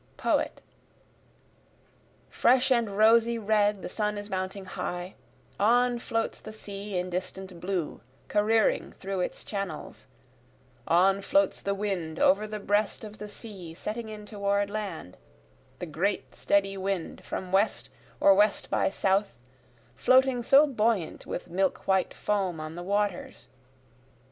Poet: Fresh and rosy red the sun is mounting high, On floats the sea in distant blue careering through its channels, On floats the wind over the breast of the sea setting in toward land, The great steady wind from west or west by south, Floating so buoyant with milk white foam on the waters.